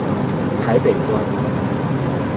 台北端